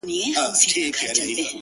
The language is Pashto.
قدم اخله” قدم کيږده” قدم واخله”